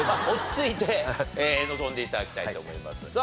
落ち着いて臨んで頂きたいと思います。